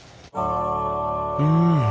うん。